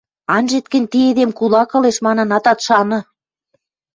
Анжет гӹнь ти эдем кулак ылеш манын атат шаны.